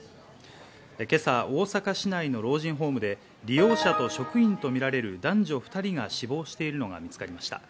今朝、大阪市内の老人ホームで利用者と職員とみられる男女２人が死亡しているのが見つかりました。